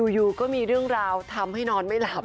อยู่ก็มีเรื่องราวทำให้นอนไม่หลับ